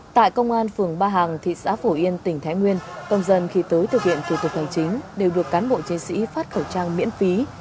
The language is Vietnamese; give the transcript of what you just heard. tại công an phường ba hàng thị xã phổ yên tỉnh thái nguyên công dân khi tới thực hiện thủ tục hành chính đều được cán bộ chiến sĩ phát khẩu trang miễn phí